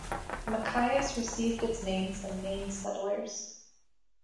Machias received its name from Maine settlers.